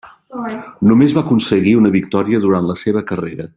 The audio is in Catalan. Només va aconseguir una victòria durant la seva carrera.